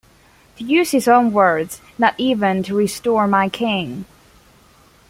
To use his own words, not even to restore my king.